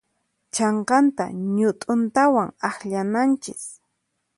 Chhanqanta ñut'untawan akllananchis.